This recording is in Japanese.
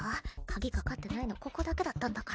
鍵かかってないのここだけだったんだから。